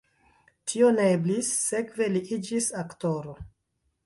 Tio ne eblis, sekve li iĝis aktoro.